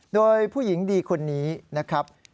โดยผู้หญิงดีคนนี้นะครับ